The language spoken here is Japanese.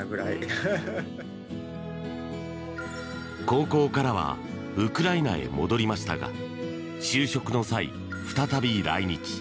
高校からはウクライナへ戻りましたが就職の際、再び来日。